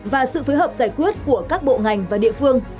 và sự phối hợp giải quyết của các bộ ngành và địa phương